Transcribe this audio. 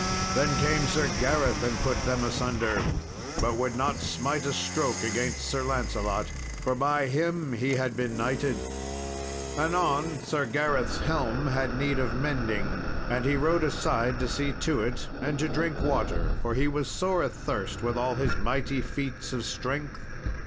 Then came Sir Gareth and put them asunder, but would not smite a stroke against Sir Lancelot, for by him he had been knighted. Anon Sir Gareth's helm had need of mending, and he rode aside to see to it and to drink water, for he was sore athirst with all his mighty feats of strength.